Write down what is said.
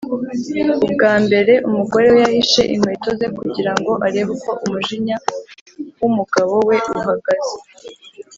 Ubwa mbere umugore we yahishe inkweto ze kugira ngo arebe uko umujinya wu mugabo we uhagaze